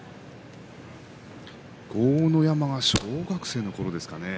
豪ノ山が小学生のころですかね。